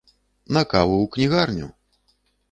На каву ў кнігарню!